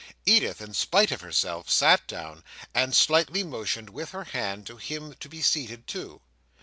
Edith, in spite of herself, sat down, and slightly motioned with her hand to him to be seated too.